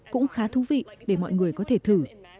cũng khá thú vị để mọi người có thể thử